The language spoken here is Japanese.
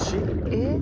えっ？